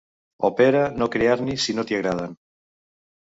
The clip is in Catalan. O pera no criar-n'hi si no t'hi agraden